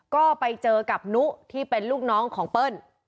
ก็ไปเจอกับนุที่เป็นลูกน้องของเปิ้ล